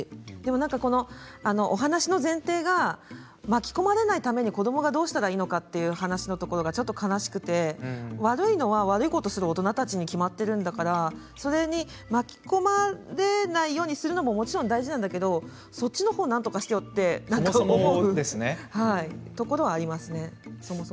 でも、このお話の前提が巻き込まれないために子どもがどうしたらいいのかという話のところがちょっと悲しくて悪いのは悪いことをする大人たちに決まっているんだからそれに巻き込まれないようにするのももちろん大事なんだけどそっちのほうなんとかしてよと思うというところはありますね。